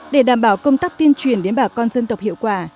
để đảm bảo công tác tuyên truyền đến bà con dân tộc hiệu quả